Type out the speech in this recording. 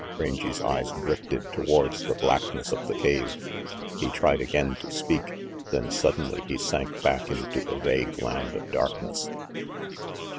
Rangy's eyes drifted towards the blackness of the cave; he tried again to speak, then suddenly he sank back into the vague land of darkness.